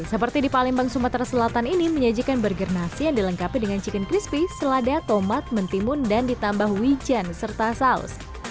seperti di palembang sumatera selatan ini menyajikan burger nasi yang dilengkapi dengan chicken crispy selada tomat mentimun dan ditambah wijen serta saus